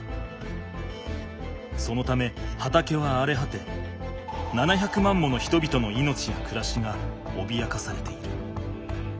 そのため畑はあれはて７００万もの人々の命やくらしがおびやかされている。